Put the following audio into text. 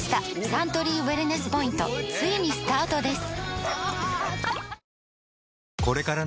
サントリーウエルネスポイントついにスタートです！